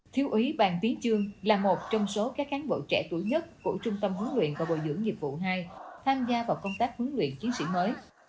thiếu ý bàn tiến trương là một trong số các cán bộ trẻ tuổi nhất của trung tâm huấn luyện bồi dưỡng nghiệp vụ hai tham gia vào công tác huấn luyện chiến sĩ mới